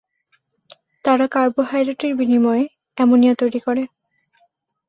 তারা কার্বোহাইড্রেট এর বিনিময়ে অ্যামোনিয়া তৈরি করে।